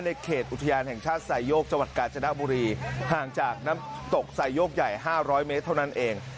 เขตอุทยานแห่งชาติไซโยกจังหวัดกาญจนบุรีห่างจากน้ำตกไซโยกใหญ่๕๐๐เมตรเท่านั้นเอง